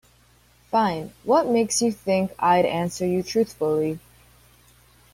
Fine, what makes you think I'd answer you truthfully?